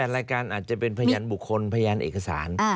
รายการอาจจะเป็นพยานบุคคลพยานเอกสาร